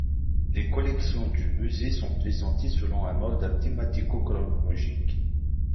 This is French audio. Les collections du musée sont présentées selon un ordre thématico-chronologique.